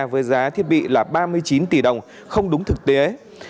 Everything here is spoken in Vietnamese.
với giá thiết bị là ba mươi chín tỷ đồng không đúng thực tế